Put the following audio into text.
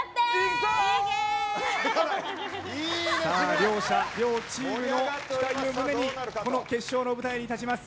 両者、両チームの期待を胸に決勝の舞台に立ちます。